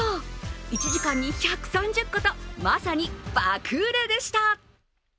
１時間に１３０個と、まさに爆売れでした。